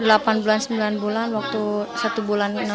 baik kalau udah delapan bulan sembilan bulan waktu satu bulan enam bulan mah